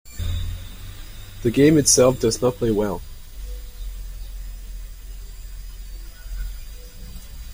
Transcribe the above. The game itself does not play well.